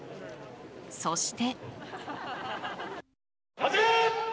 そして。